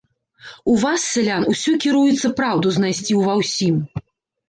У вас, сялян, усё кіруюцца праўду знайсці ўва ўсім.